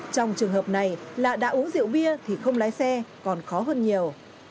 trong trường hợp này là đã uống rượu bia thì không lái xe còn khó hơn nhiều